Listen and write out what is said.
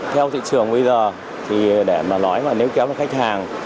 theo thị trường bây giờ thì để mà nói nếu kéo đến khách hàng